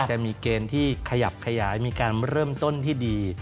จะมีเกณฑ์ที่ขยับขยายมีการเริ่มต้นที่ดี